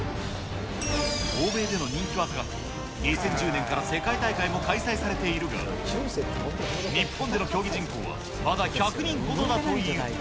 欧米での人気は高く、２０１０年から世界大会も開催されているが、日本での競技人口はまだ１００人ほどだという。